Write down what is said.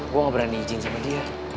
gue gak berani izin sama dia